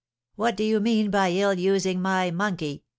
'What do you mean by ill using my monkey?'